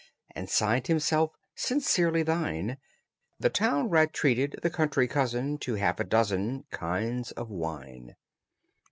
And signed himself, "Sincerely thine." The town rat treated the country cousin To half a dozen Kinds of wine.